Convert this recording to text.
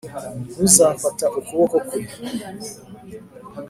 ntuzafata ukuboko kwe